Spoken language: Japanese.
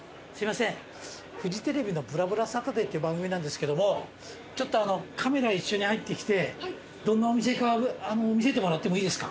フジテレビの『ぶらぶらサタデー』っていう番組なんですけどもちょっとカメラ一緒に入ってきてどんなお店か見せてもらってもいいですか？